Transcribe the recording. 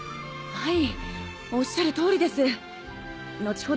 はい。